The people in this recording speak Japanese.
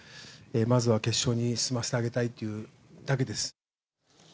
まずは決勝に進ませてあげたいというだけです。